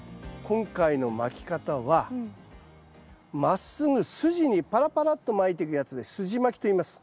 今回のまき方はまっすぐすじにパラパラっとまいていくやつですじまきといいます。